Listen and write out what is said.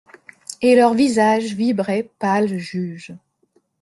Et leurs visages vibraient, pâles juges.